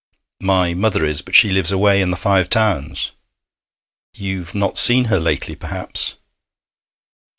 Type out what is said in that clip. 'My mother is, but she lives away in the Five Towns.' 'You've not seen her lately, perhaps?'